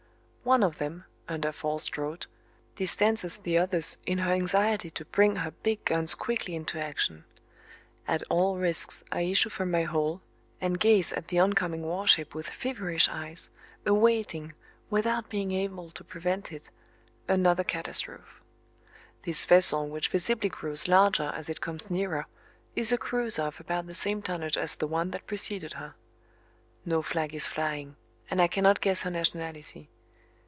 One of them, under forced draught, distances the others in her anxiety to bring her big guns quickly into action. At all risks I issue from my hole, and gaze at the on coming warship with feverish eyes, awaiting, without being able to prevent it, another catastrophe. This vessel, which visibly grows larger as it comes nearer, is a cruiser of about the same tonnage as the one that preceded her. No flag is flying and I cannot guess her nationality.